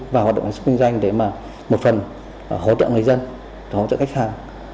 và hoạt động sản xuất kinh doanh để mà một phần hỗ trợ người dân hỗ trợ khách hàng